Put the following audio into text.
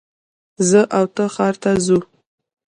زه او ته ښار ته ځو